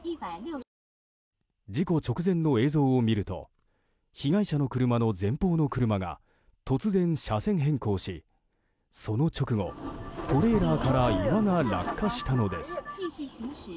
事故直前の映像を見ると被害者の車の前方の車が突然、車線変更しその直後、トレーラーから岩が落下したのです。